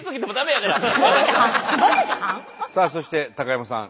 さあそして高山さん。